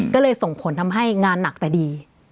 ก็เลยส่งผลทำให้งานหนักแต่ดี